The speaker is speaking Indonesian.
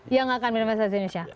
yang akan berinvestasi di indonesia